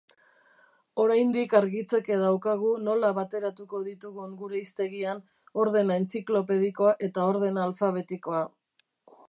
Oraindik argitzeke daukagu nola bateratuko ditugun gure hiztegian ordena entziklopedikoa eta ordena alfabetikoa.